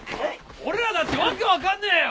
俺らだってわけわかんねえよ！